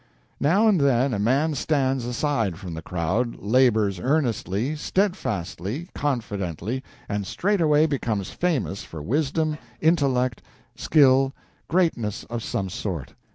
Now and then a man stands aside from the crowd, labors earnestly, steadfastly, confidently, and straightway becomes famous for wisdom, intellect, skill, greatness of some sort.